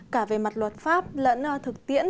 cả về mặt luật pháp lẫn thực tiễn